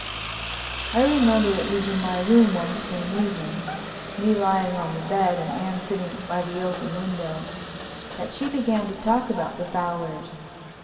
I remember it was in my room one spring evening—me lying on the bed and Anne sitting by the open window—that she began to talk about the Fowlers.